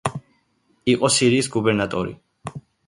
იყო სირიის გუბერნატორი.